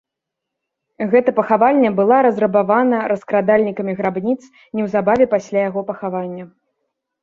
Гэта пахавальня была разрабавана раскрадальнікамі грабніц неўзабаве пасля яго пахавання.